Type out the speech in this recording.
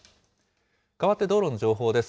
かわって道路の情報です。